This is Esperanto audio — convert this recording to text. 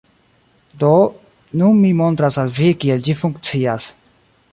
Do, nun mi montras al vi kiel ĝi funkcias